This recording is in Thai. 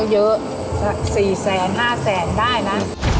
เยอะ๔๐๐๐๐๐๕๐๐๐๐๐บาทได้นะ